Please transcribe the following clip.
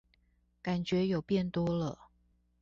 感覺有變多了